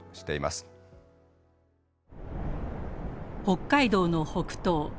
北海道の北東。